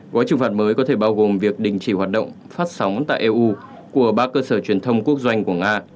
gói trừng phạt mới có thể bao gồm việc đình chỉ hoạt động phát sóng tại eu của ba cơ sở truyền thông quốc doanh của nga